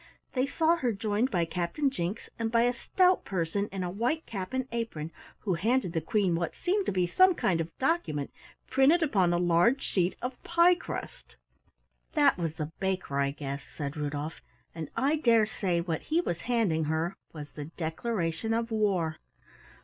They saw her joined by Captain Jinks and by a stout person in a white cap and apron who handed the Queen what seemed to be some kind of document printed upon a large sheet of pie crust. "That was the Baker, I guess," said Rudolf, "and I dare say what he was handing her was the declaration of war!